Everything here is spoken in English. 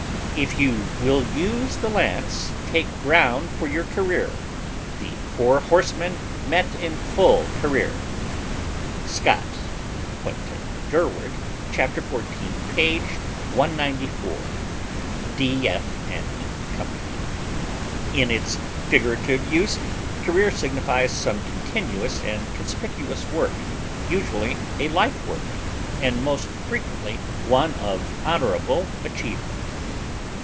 If you will use the lance, take ground for your career.... The four horsemen met in full career. SCOTT Quentin Durward ch. 14, p. 194. [D. F. & CO.] In its figurative use career signifies some continuous and conspicuous work, usually a life work, and most frequently one of honorable achievement.